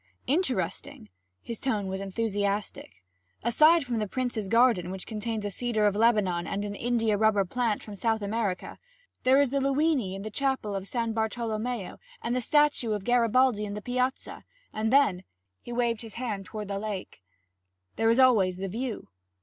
'Interesting!' His tone was enthusiastic. 'Aside from the prince's garden, which contains a cedar of Lebanon and an india rubber plant from South America, there is the Luini in the chapel of San Bartolomeo, and the statue of Garibaldi in the piazza. And then ' he waved his hand toward the lake, 'there is always the view.'